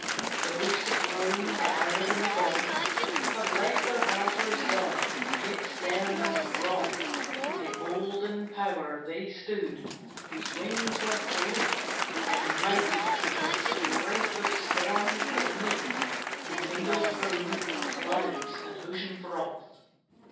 The hosts of Rome, the Arab and the Goth Have left their altars dark, yet stern and wroth In olden power they stood, whose wings were fleet, And mighty as with strength of storms that meet In mingled foam of clouds and ocean froth.